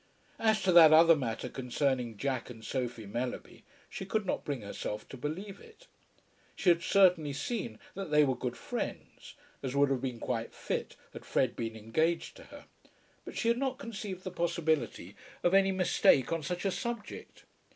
As to that other matter concerning Jack and Sophie Mellerby, she could not bring herself to believe it. She had certainly seen that they were good friends, as would have been quite fit had Fred been engaged to her; but she had not conceived the possibility of any mistake on such a subject.